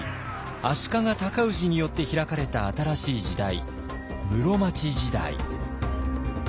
足利尊氏によって開かれた新しい時代室町時代。